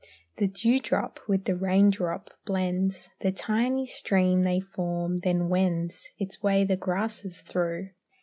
The dewdrop with the raindrop blends; The tiny stream they form then wends Its way the grasses through.